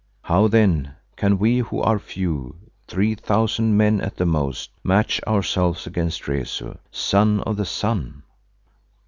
How then can we who are few, three thousand men at the most, match ourselves against Rezu, Son of the Sun?